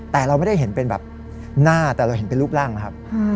แต่เราไม่ได้เห็นเป็นแบบหน้าแต่เราเห็นเป็นรูปร่างนะครับ